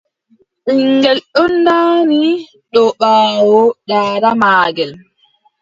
Ɓiŋngel ɗon ɗaani dow ɓaawo daada maagel.